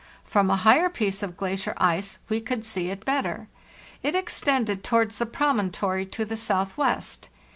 From a higher piece of eglacier ice we could see it better. It extended towards the promontory to the southwest.